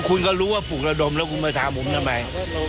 คุณก็รู้ว่าฝุ่นรดมเราคุณมาถามมุมทำไม